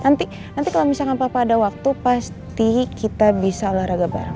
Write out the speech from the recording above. nanti kalau misalkan apa apa ada waktu pasti kita bisa olahraga bareng